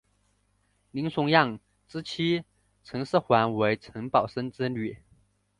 林熊祥之妻陈师桓为陈宝琛之女。